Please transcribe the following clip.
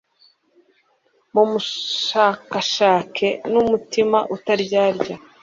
mumushakashake n'umutima utaryarya